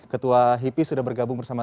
ketua hipis sudah bergabung bersama